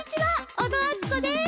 小野あつこです。